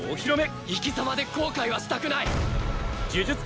生き様で後悔はしたくない！